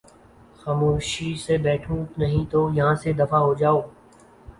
خاموشی سے بیٹھو نہیں تو یہاں سے دفعہ ہو جاؤ